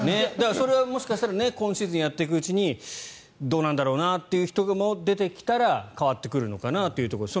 それはもしかしたら今シーズンやっていくうちにどうなんだろうなという人も出てきたら変わってくるのかなというところです。